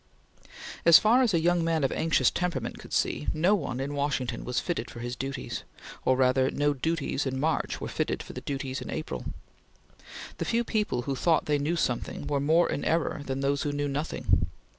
As far as a young man of anxious temperament could see, no one in Washington was fitted for his duties; or rather, no duties in March were fitted for the duties in April. The few people who thought they knew something were more in error than those who knew nothing.